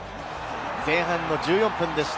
前半１４分でした。